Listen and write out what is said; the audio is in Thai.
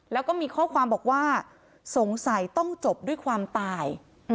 แล้วก็มีข้อความบอกว่าสงสัยต้องจบด้วยความตาย